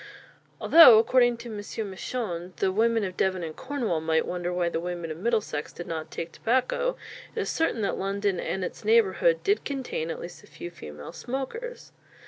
Although, according to M. Misson, the women of Devon and Cornwall might wonder why the women of Middlesex did not take tobacco, it is certain that London and its neighbourhood did contain at least a few female smokers.